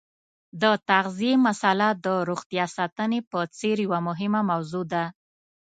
د تغذیې مساله د روغتیا ساتنې په څېر یوه مهمه موضوع ده.